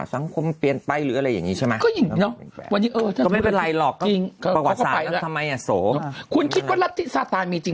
สังคมเปลี้ยนไปหรืออะไรอย่างนี้ใช่ไหมก็ไม่เป็นอะไรหรอกทำไมคุณคิดว่าลักษณะมีจริง